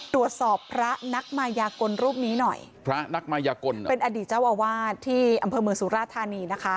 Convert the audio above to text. พระนักมายากลรูปนี้หน่อยพระนักมายกลเป็นอดีตเจ้าอาวาสที่อำเภอเมืองสุราธานีนะคะ